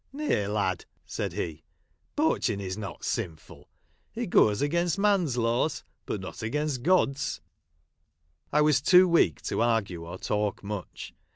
" Nay, lad," said he, " poaching is not sinful ; it goes against man's laws, but not against God's." I was too weak to argue or talk much.